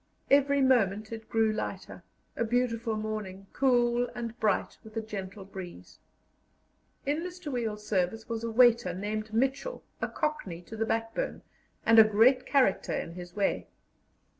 Every moment it grew lighter a beautiful morning, cool and bright, with a gentle breeze. In Mr. Wiel's service was a waiter named Mitchell, a Cockney to the backbone, and a great character in his way.